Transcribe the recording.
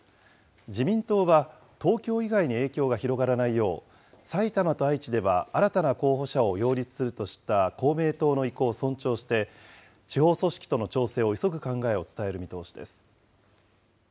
自民党は、東京以外に影響が広がらないよう、埼玉と愛知では新たな候補者を擁立するとした公明党の意向を尊重して、地方組織との調整を急ぐ考えを伝える見通しです。